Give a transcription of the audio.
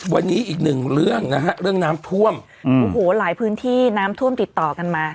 วันนี้อีกหนึ่งเรื่องนะฮะเรื่องน้ำท่วมอืมโอ้โหหลายพื้นที่น้ำท่วมติดต่อกันมา